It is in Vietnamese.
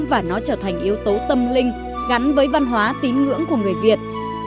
và nó trở thành yếu tố tâm linh gắn với văn hóa tín ngưỡng của người việt